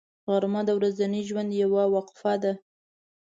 غرمه د ورځني ژوند یوه وقفه ده